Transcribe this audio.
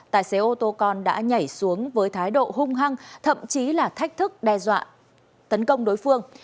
tài xế ô tô con đã nhảy xuống với thái độ hung hăng thậm chí là thách thức đe dọa tấn công đối phương